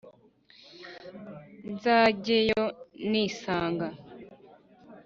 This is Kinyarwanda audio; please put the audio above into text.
Nzajye yo nisanga,